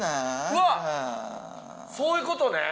そういうことね！